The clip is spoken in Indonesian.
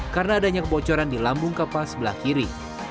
karena adanya kebocoran di lambung kapal sebelah kiri